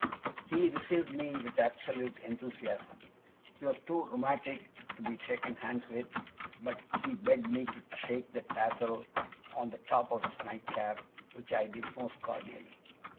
He received me with absolute enthusiasm. He was too rheumatic to be shaken hands with, but he begged me to shake the tassel on the top of his nightcap, which I did most cordially.